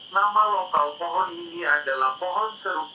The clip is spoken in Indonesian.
nama lokal pohon ini adalah pohon seru